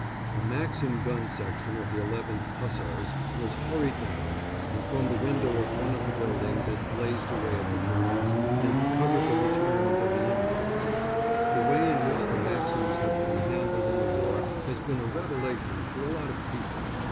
A Maxim gun section of the 11th Hussars was hurried down, and from the window of one of the buildings it blazed away at the Germans and covered the retirement of the Indians. The way in which the Maxims have been handled in the war has been a revelation to a lot of people.